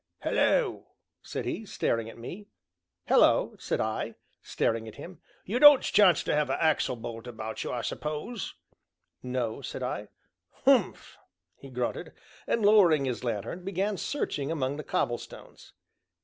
"Hallo!" said he, staring at me. "Hallo!" said I, staring at him. "You don't chance to 'ave a axle bolt about you, I suppose?" "No," said I. "Humph!" he grunted, and, lowering his lanthorn, began searching among the cobblestones.